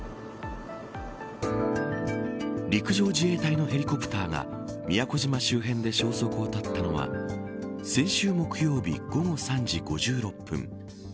陸上自衛隊のヘリコプターが宮古島周辺で消息を絶ったのは先週木曜日、午後３時５６分。